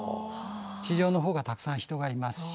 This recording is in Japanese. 地上の方がたくさん人がいますし。